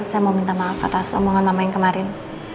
saya mau minta maaf atas omongan mama yang kemarin